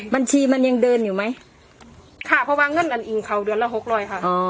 บัญชีมันยังเดินอยู่ไหมค่ะเพราะว่าเงินอันอิงเขาเดือนละหกร้อยค่ะอ๋อ